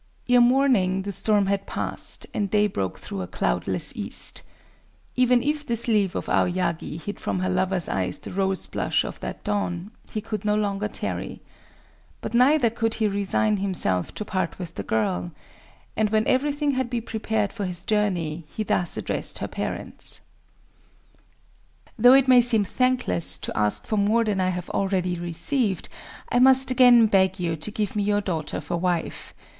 Ere morning the storm had passed; and day broke through a cloudless east. Even if the sleeve of Aoyagi hid from her lover's eyes the rose blush of that dawn, he could no longer tarry. But neither could he resign himself to part with the girl; and, when everything had been prepared for his journey, he thus addressed her parents:— "Though it may seem thankless to ask for more than I have already received, I must again beg you to give me your daughter for wife.